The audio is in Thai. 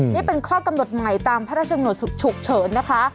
นี่เป็นข้อกำหนดใหม่ตามพระราชกำหนดฉุกเฉินนะคะ